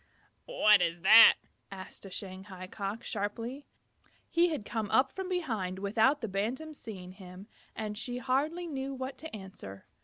"What is that?" asked the Shanghai Cock, sharply. He had come up from behind without the Bantam's seeing him, and she hardly knew what to answer.